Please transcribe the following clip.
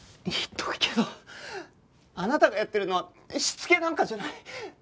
言っとくけどあなたがやってるのはしつけなんかじゃない。